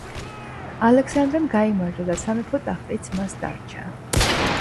ალექსანდრემ გაიმარჯვა და სამეფო ტახტიც მას დარჩა.